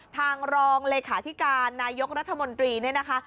ทางรองเลขาธิการนายกรัฐมนตรีเนี่ยนะคะ